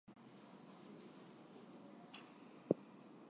Aerobic degradation forms catechol.